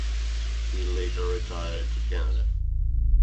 He later retired to Canada.